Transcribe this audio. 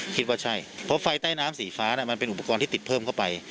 คิดว่าใช่เพราะไฟใต้น้ำสีฟ้ามันเป็นอุปกรณ์ที่ติดเพิ่มเข้าไป